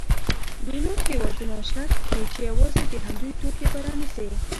ډونر هېوادونه شرط ږدي چې یوازې د همدوی توکي به رانیسي.